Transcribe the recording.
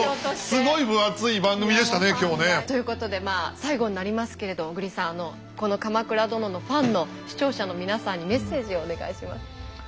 すごい分厚い番組でしたね今日ね。ということで最後になりますけれど小栗さんこの「鎌倉殿」のファンの視聴者の皆さんにメッセージをお願いします。